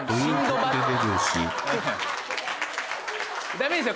ダメですよ